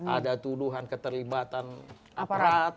ada tuduhan keterlibatan aparat